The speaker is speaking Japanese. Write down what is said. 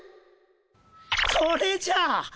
それじゃ！